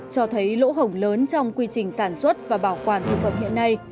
cho thấy lỗ hổng lớn trong quy trình sản xuất và bảo quản thực phẩm hiện nay